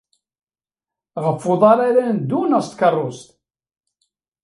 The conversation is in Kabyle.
Ɣef uḍar ara neddu neɣ s tkeṛṛust?